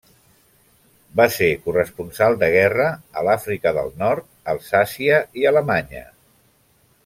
Va ser corresponsal de guerra a l'Àfrica del Nord, Alsàcia i Alemanya.